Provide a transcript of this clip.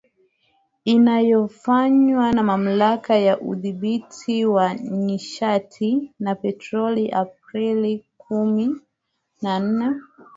Inayofanywa na Mamlaka ya Udhibiti wa Nishati na Petroli Aprili kumi na nne.